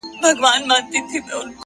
o زه هم له خدايه څخه غواړمه تا ـ